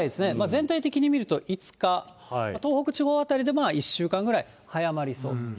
全体的に見ると５日、東北地方辺りで１週間ぐらい早まりそうです。